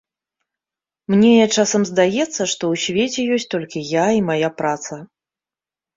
Мне часам здаецца, што ў свеце ёсць толькі я і мая праца.